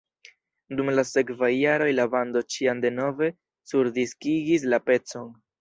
Dum la sekvaj jaroj la bando ĉiam denove surdiskigis la pecon.